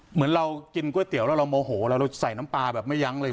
เหมือนเรากินก๋วยเตี๋ยวแล้วเราโมโหแล้วเราใส่น้ำปลาแบบไม่ยั้งเลย